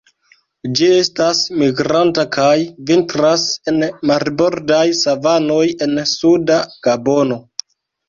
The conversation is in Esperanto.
Ĝi estas migranta, kaj vintras en marbordaj savanoj en suda Gabono.